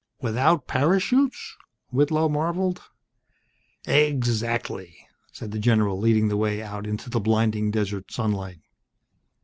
"Without parachutes?" Whitlow marveled. "Exactly," said the general, leading the way out into the blinding desert sunlight.